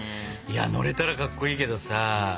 いや乗れたらかっこいいけどさ。